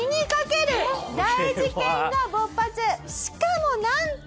しかもなんと。